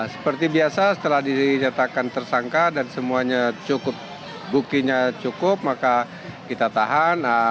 seperti biasa setelah dinyatakan tersangka dan semuanya cukup buktinya cukup maka kita tahan